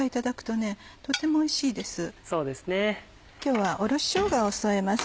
今日はおろししょうがを添えます。